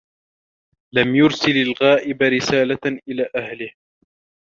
لَمْ يُرْسِلْ الْغَائِبُ رِسَالَةً إِلَى أهْلِهِ.